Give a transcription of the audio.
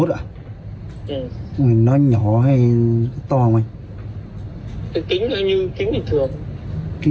trong khẩu tiện